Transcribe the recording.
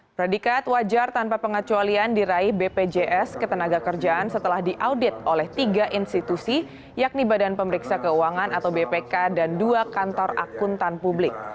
predikat wajar tanpa pengecualian diraih bpjs ketenaga kerjaan setelah diaudit oleh tiga institusi yakni badan pemeriksa keuangan atau bpk dan dua kantor akuntan publik